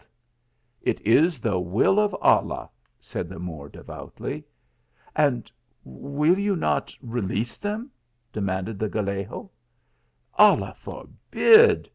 180 THE ALHAMI3RA. " It is the will of Allah !" said the Moor, de voutly. "And will you not release them ?" demanded the Gal lego. " Allah forbid